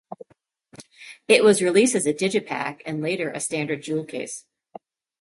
It was released as a digipak and later a standard jewel-case.